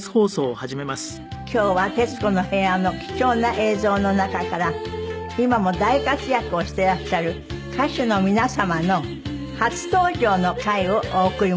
今日は『徹子の部屋』の貴重な映像の中から今も大活躍をしていらっしゃる歌手の皆様の初登場の回をお送り申し上げます。